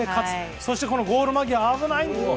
そして、ゴール間際、危ない！